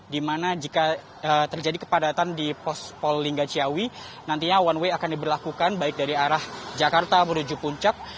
di mana jika terjadi kepadatan di pos polingga ciawi nantinya one way akan diberlakukan baik dari arah jakarta menuju puncak